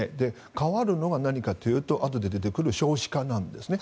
変わるのは何かというとあとで出てくる少子化なんですね。